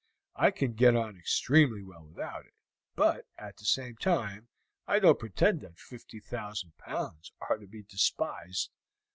I can get on extremely well without it, but at the same time I don't pretend that 50,000 pounds are to be despised."